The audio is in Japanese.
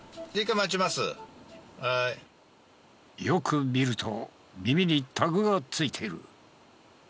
よく見ると耳にタグがついている。